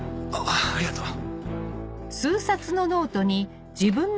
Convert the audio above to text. ありがとう。